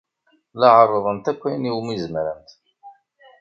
La ɛerrḍent akk ayen umi zemrent.